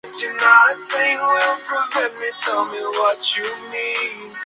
Debido a una lesión grave, puso fin a principios de su carrera como jugador.